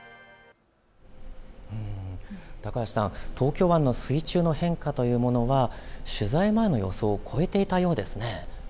高橋さん、東京湾の水中の変化というものは取材前の予想を超えていたようですね。